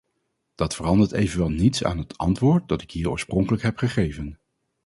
Dat verandert evenwel niets aan het antwoord dat ik hier oorspronkelijk heb gegeven.